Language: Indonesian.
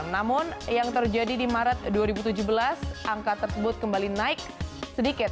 namun yang terjadi di maret dua ribu tujuh belas angka tersebut kembali naik sedikit